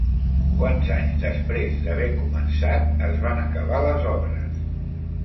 Quants anys després d'haver començat es van acabar les obres?